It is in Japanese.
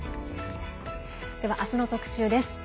明日の特集です。